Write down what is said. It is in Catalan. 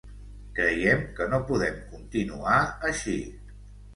Creiem que no podem continuar així.